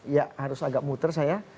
ya harus agak muter saya